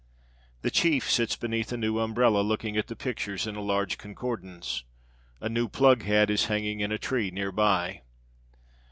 The chief sits beneath a new umbrella, looking at the pictures in a large concordance. A new plug hat is hanging in a tree near by.